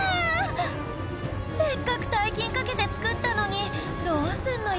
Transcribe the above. せっかく大金かけて造ったのにどうすんのよ